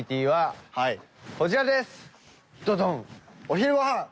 はい。